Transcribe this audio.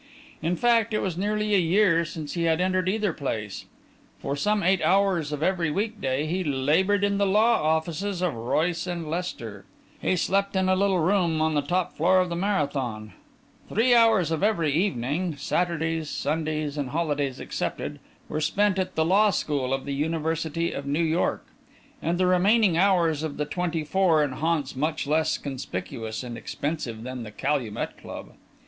In fact, it was nearly a year since he had entered either place. For some eight hours of every week day, he laboured in the law offices of Royce & Lester; he slept in a little room on the top floor of the Marathon; three hours of every evening, Saturdays, Sundays and holidays excepted, were spent at the law school of the University of New York; and the remaining hours of the twenty four in haunts much less conspicuous and expensive than the Calumet Club.